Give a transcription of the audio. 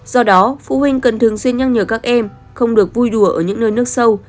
do đó phụ huynh cần thường xuyên nhắc nhở các em không được vui đùa ở những nơi nước sâu